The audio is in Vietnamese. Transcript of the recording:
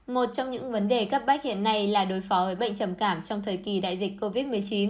một trong những vấn đề cấp bách hiện nay là đối phó với bệnh trầm cảm trong thời kỳ đại dịch covid một mươi chín